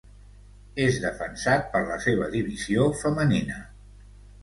És defensat per la seva divisió femenina.